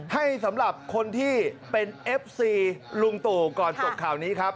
สำหรับคนที่เป็นเอฟซีลุงตู่ก่อนจบข่าวนี้ครับ